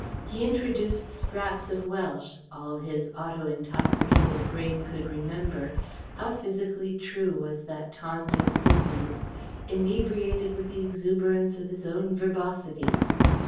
He introduced scraps of Welsh all his auto intoxicated brain could remember (How physically true was that taunt of Dizzy's "Inebriated with the exuberance of his own verbosity!").